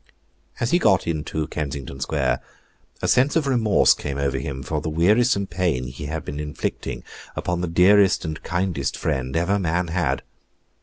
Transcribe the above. As he got into Kensington Square, a sense of remorse came over him for the wearisome pain he had been inflicting upon the dearest and kindest friend ever man had.